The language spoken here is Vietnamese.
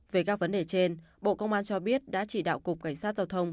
về các vấn đề trên bộ công an cho biết đã chỉ đạo cục cảnh sát giao thông